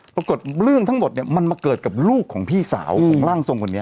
ปรากฏเรื่องทั้งหมดเนี่ยมันมาเกิดกับลูกของพี่สาวของร่างทรงคนนี้